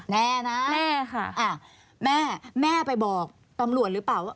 แน่นะแน่ค่ะแม่แม่ไปบอกตำรวจหรือเปล่าว่า